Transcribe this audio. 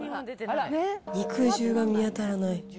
肉汁が見当たらない。